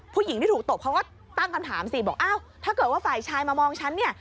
ผู้หญิงที่ถูกตบเขาก็ตั้งคำถามสิบอกอ้าวถ้าเกิดว่าฝ่ายชายมามองฉันเนี่ย